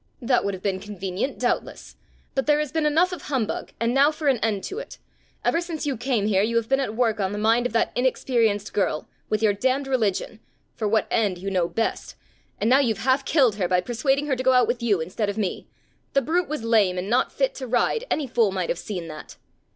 "That would have been convenient doubtless! But there has been enough of humbug, and now for an end to it! Ever since you came here, you have been at work on the mind of that inexperienced girl with your damned religion! for what end you know best! and now you've half killed her by persuading her to go out with you instead of me! The brute was lame and not fit to ride! Any fool might have seen that!"